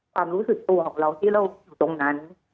ความรู้สึกตัวของเราที่เราอยู่ตรงนั้น